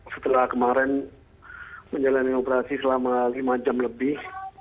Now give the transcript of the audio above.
setelah kemarin menjalani operasi selama lima jam lebih